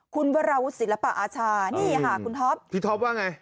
คุณวราวุศิลปะอาชานี่ค่ะคุณท็อปพี่ท็อปว่าไง